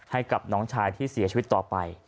ให้กับน้องชายที่เสียชีวิตต่อไป